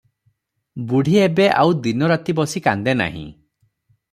ବୁଢ଼ୀ ଏବେ ଆଉ ଦିନ ରାତି ବସି କାନ୍ଦେ ନାହିଁ ।